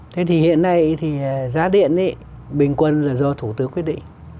thế thì hiện nay thì giá điện ấy bình quân là do thủ tướng quyết định